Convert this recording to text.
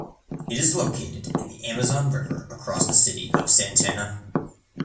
It is located in the Amazon River across the city of Santana.